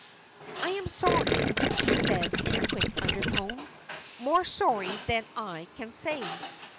"I am sorry," he said, in a quick undertone; "more sorry than I can say.